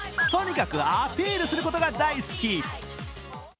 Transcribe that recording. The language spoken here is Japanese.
とにかくアピールすることが大好き。